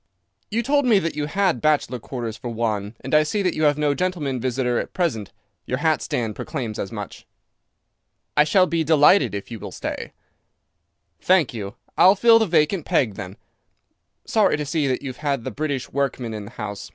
"You told me that you had bachelor quarters for one, and I see that you have no gentleman visitor at present. Your hat stand proclaims as much." "I shall be delighted if you will stay." "Thank you. I'll fill the vacant peg then. Sorry to see that you've had the British workman in the house.